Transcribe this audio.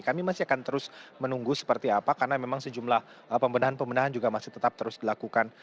kami masih akan terus menunggu seperti apa karena memang sejumlah pembendahan pembendahan juga masih tetap terus dilakukan